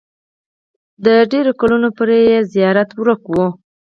د ډېرو کلونو پورې یې مزار ورک وو.